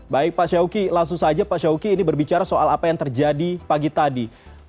baik pak syawki langsung saja pak syauki ini berbicara soal apa yang terjadi pagi tadi